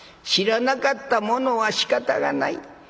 知らなかったものはしかたがない。